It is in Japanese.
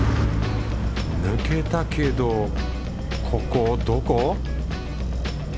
抜けたけどここどこ？